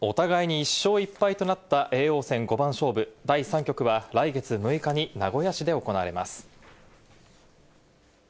お互いに１勝１負となった叡王戦五番勝負、第３局は来月６日に名古屋市で行われます。